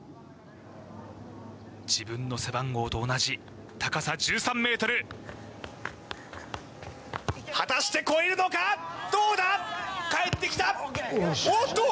自分の背番号と同じ高さ１３ｍ果たして越えるのかどうだ返ってきたおっと！